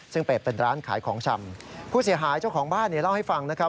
ซึ่งเปิดเป็นร้านขายของชำผู้เสียหายเจ้าของบ้านเนี่ยเล่าให้ฟังนะครับ